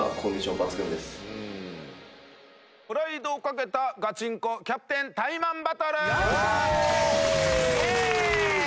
プライドをかけたガチンコキャプテンタイマンバトル！